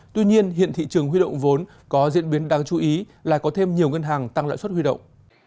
tuy nhiên hiện thị trường huy động vốn có diễn biến đáng chú ý là có thêm nhiều ngân hàng tăng lãi suất huy động